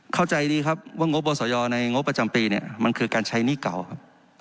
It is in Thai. เข้าใจดีครับว่างบบสยในงบประจำปีเนี่ยมันคือการใช้หนี้เก่าครับ